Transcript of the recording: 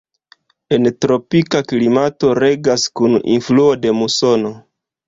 En tropika klimato regas kun influo de musono.